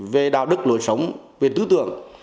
về đạo đức lối sống về tư tưởng